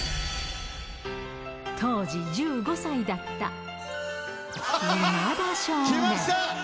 当時１５歳だった今田少年。